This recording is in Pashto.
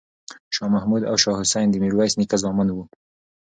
شاه محمود او شاه حسین د میرویس نیکه زامن وو.